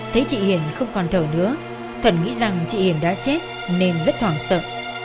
thấy chị hiền không còn thở nữa cần nghĩ rằng chị hiền đã chết nên rất hoảng sợ